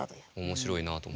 面白いなと。